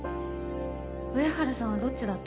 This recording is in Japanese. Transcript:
上原さんはどっちだと？